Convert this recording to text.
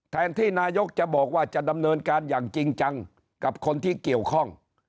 แทนที่นายกจะบอกว่าจะดำเนินการอย่างจริงจังกับคนที่เกี่ยวข้อง